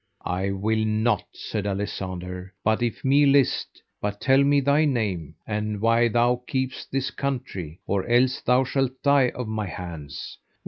I will not, said Alisander, but if me list: but tell me thy name, and why thou keepest this country, or else thou shalt die of my hands.